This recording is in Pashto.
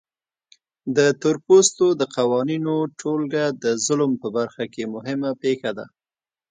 د تورپوستو د قوانینو ټولګه د ظلم په برخه کې مهمه پېښه ده.